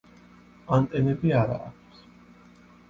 ანტენები არა აქვთ.